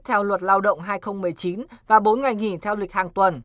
theo luật lao động hai nghìn một mươi chín và bốn ngày nghỉ theo lịch hàng tuần